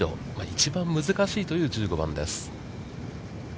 一番難しいという１５番です。